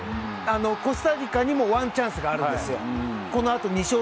コスタリカにもワンチャンスがあるんです。